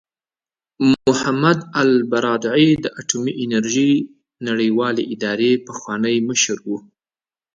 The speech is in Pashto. محمد البرادعي د اټومي انرژۍ نړیوالې ادارې پخوانی مشر و.